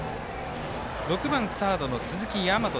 ６番サードの鈴木大和。